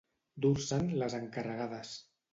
Dur-se'n les encarregades.